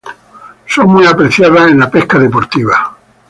Son muy apreciadas en la pesca deportiva.